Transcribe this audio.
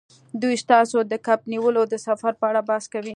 دوی ستاسو د کب نیولو د سفر په اړه بحث کوي